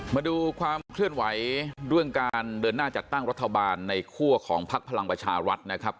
มาดูความเคลื่อนไหวเรื่องการเดินหน้าจัดตั้งรัฐบาลในคั่วของพักพลังประชารัฐนะครับ